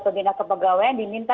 pembina kepegawaian diminta